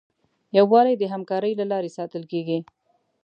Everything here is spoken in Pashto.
یووالی د همکارۍ له لارې ساتل کېږي.